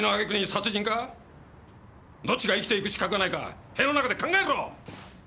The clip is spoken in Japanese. どっちが生きていく資格がないか塀の中で考えろ！